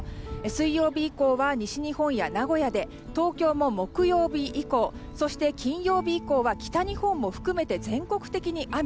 水曜日以降は西日本や名古屋で東京も木曜日以降そして金曜日以降は北日本も含めて全国的に雨。